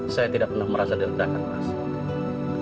saya tidak pernah merasa diledakan mas